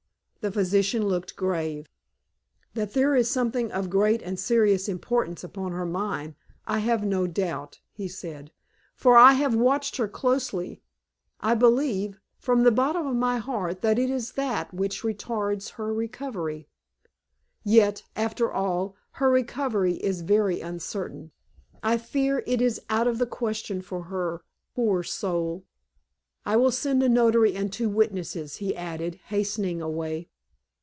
The physician looked grave. "That there is something of great and serious importance upon her mind, I have no doubt," he said, "for I have watched her closely. I believe, from the bottom of my heart, that it is that which retards her recovery. Yet, after all, her recovery is very uncertain; I fear it is out of the question for her, poor soul! I will send a notary and two witnesses," he added, hastening away.